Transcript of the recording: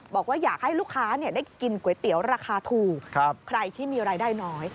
บอกว่าอยากให้ลูกค้าได้กินก๋วยเตี๋ยวราคาถูกใครที่มีรายได้น้อย